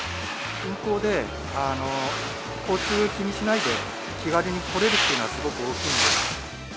近郊で、交通気にしないで気軽に来れるっていうのはすごく大きいんで。